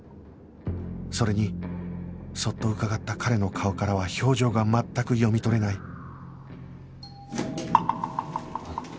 それにそっとうかがった彼の顔からは表情が全く読み取れない